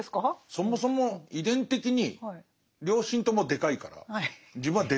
そもそも遺伝的に両親ともでかいから自分はでかいわけですよ。